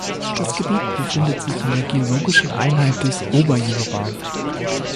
Das Gebiet befindet sich in der geologischen Einheit des Oberjura.